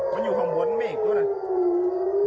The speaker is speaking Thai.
มันอยู่ข้างบนมิกนี่